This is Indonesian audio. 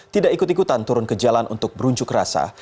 tidak ikut ikutan turun ke jalan untuk berunjuk rasa